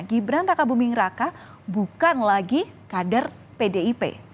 gibran raka buming raka bukan lagi kader pdip